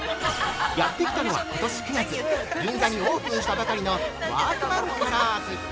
やってきたのは、今年９月銀座にオープンしたばかりのワークマンカラーズ。